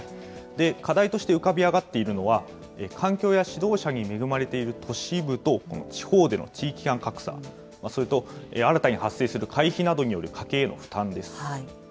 課題として浮かび上がっているのは、環境や指導者に恵まれている都市部と、この地方での地域間格差、それと新たに発生する会費などによる家計への負担です。